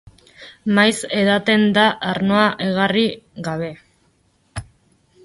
Maiz edaten da arnoa egarri gabe.